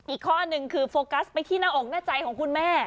อีกข้อหนึ่งคือโฟกัสไปที่หน้าอกหน้าใจของคุณแม่